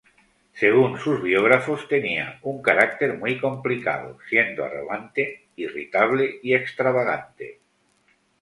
Según sus biógrafos, tenía un carácter muy complicado, siendo arrogante, irritable y extravagante.